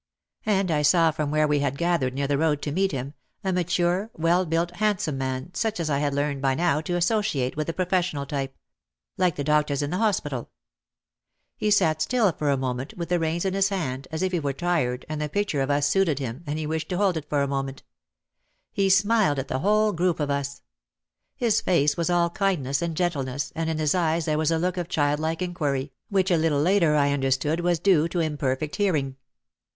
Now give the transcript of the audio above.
And I saw from where we had gathered near the road to meet him, a mature, well built, handsome man such as I had learned by now to asso ciate with the professional type — "like the doctors in the hospital." He sat still for a moment with the reins in OUT OF THE SHADOW 269 his hand as if he were tired and the picture of us suited him and he wished to hold it for a moment. He smiled at the whole group of us. His face was all kindness and gentleness and in his eyes there was a look of childlike inquiry which a little later I understood was due to im perfect hearing.